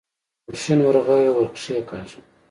غوښين ورغوی يې ور کېکاږه.